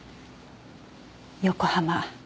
横浜。